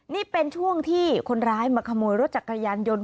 นี่เป็นช่วงที่คนร้ายมาขโมยรถจักรยานยนต์